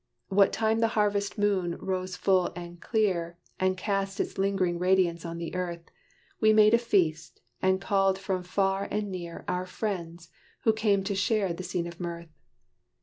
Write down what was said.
What time the harvest moon rose full and clear And cast its ling'ring radiance on the earth, We made a feast; and called from far and near, Our friends, who came to share the scene of mirth.